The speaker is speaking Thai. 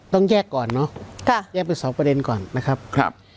ต้องแยกก่อนเนอะค่ะแยกเป็นสองประเด็นก่อนนะครับครับ